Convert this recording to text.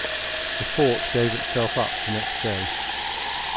The fort gave itself up the next day.